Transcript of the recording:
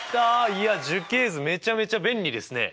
いや樹形図めちゃめちゃ便利ですね！